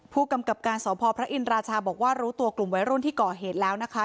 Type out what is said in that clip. ผู้กำกับการสพพระอินราชาบอกว่ารู้ตัวกลุ่มวัยรุ่นที่ก่อเหตุแล้วนะคะ